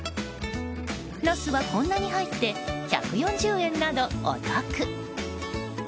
ナスはこんなに入って１４０円などお得。